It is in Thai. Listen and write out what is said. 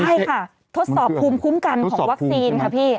ใช่ค่ะทดสอบภูมิคุ้มกันของวัคซีนค่ะพี่